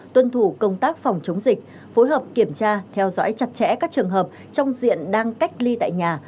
tuân thủ công tác phòng chống dịch phối hợp kiểm tra theo dõi chặt chẽ các trường hợp trong diện đang cách ly tại nhà